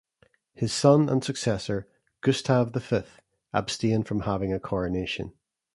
His son and successor, Gustaf the Fifth, abstained from having a coronation.